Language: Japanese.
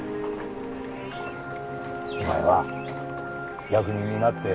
お前は役人になって